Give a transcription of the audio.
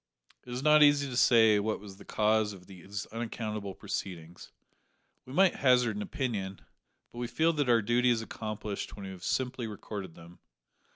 It is not easy to say what was the cause of these unaccountable proceedings. We might hazard an opinion, but we feel that our duty is accomplished when we have simply recorded them.